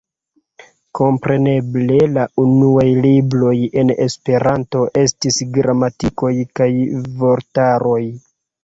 Kompreneble la unuaj libroj en Esperanto estis gramatikoj kaj vortaroj.